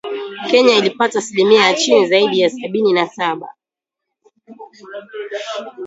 Kenya ilipata asilimia ya chini zaidi ya sabini na saba .